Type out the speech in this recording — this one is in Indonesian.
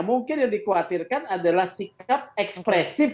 mungkin yang dikhawatirkan adalah sikap ekspresif